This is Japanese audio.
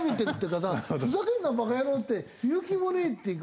「ふざけるなバカ野郎！」って言う気もねえっていうか。